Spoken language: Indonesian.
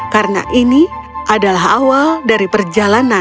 karena ini adalah awal dari perjalanan abadi